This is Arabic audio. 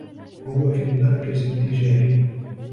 هو في المركز التّجاريّ.